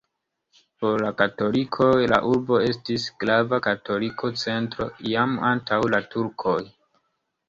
Por la katolikoj la urbo estis grava katolika centro jam antaŭ la turkoj.